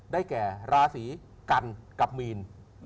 ได้แก่ราศีกันกับมีน